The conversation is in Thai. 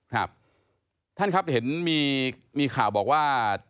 ครับท่านครับเห็นมีข่าวบอกว่า